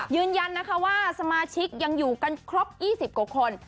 ยืนยันนะคะว่าสมาชิกยังอยู่กันครบ๒๐กว่าคน